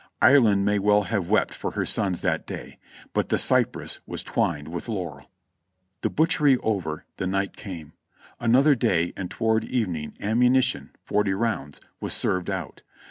Ireland may well have wept for her sons that day, but the Cypress was twined with Laurel. The butchery over, and night came; another day and toward evening ammunition (forty rounds) was served out.